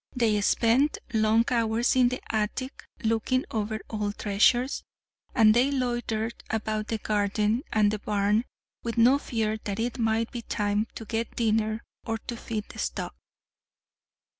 They spent long hours in the attic looking over old treasures, and they loitered about the garden and the barn with no fear that it might be time to get dinner or to feed the stock.